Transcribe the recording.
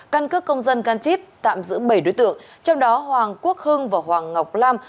căn cước công dân gantip tạm giữ bảy đối tượng trong đó hoàng quốc hưng và hoàng ngọc lam